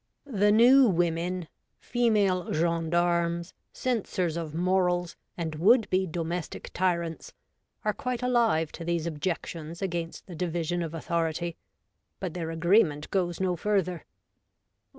iii The New Women — female gendarmes, censors of morals, and would be domestic tyrants — are quite alive to these objections against the division of authority, but their agreement goes no further.